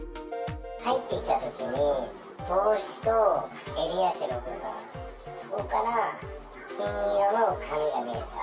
入ってきたときに、帽子と襟足の部分、そこから金色の髪が見えた。